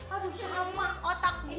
aduh sama otak gue pun